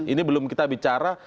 ini belum kita bicara